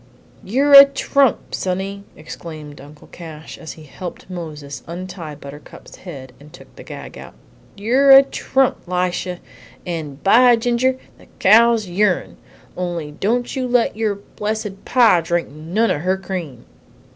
"You're a trump, sonny!" exclaimed Uncle Cash, as he helped Moses untie Buttercup's head and took the gag out. "You're a trump, Lisha, and, by ginger, the cow's your'n; only don't you let your blessed pa drink none of her cream!"